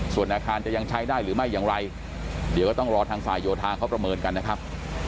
ส่วนอาคารจะยังใช้ได้หรือไม่อย่างไรเดี๋ยวก็ต้องรอทางฝ่ายโยธาเขาประเมินกันนะครับ